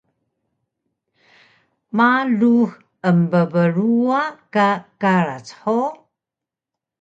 Ma lux embbruwa ka karac hug?